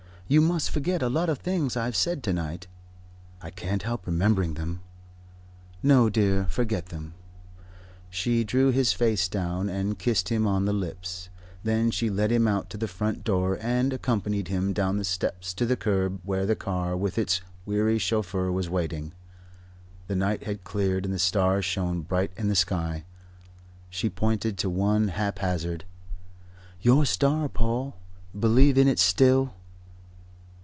"You must forget a lot of things I've said to night." "I can't help remembering them." "No, dear. Forget them." She drew his face down and kissed him on the lips. Then she led him out to the front door and accompanied him down the steps to the kerb where the car with its weary chauffeur was waiting. The night had cleared and the stars shone bright in the sky. She pointed to one, haphazard. "Your star, Paul. Believe in it still."